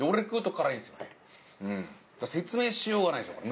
うん説明しようがないんですよ